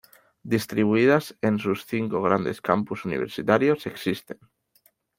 Distribuidas en sus cinco grandes campus universitarios existen.